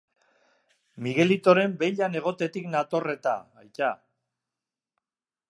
Miguelitoren beilan egotetik nator eta, aita.